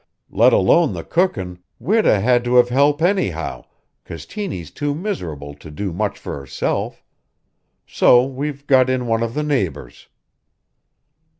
Let alone the cookin', we'd 'a' had to have help anyhow, 'cause Tiny's too miserable to do much for herself. So we've got in one of the neighbors."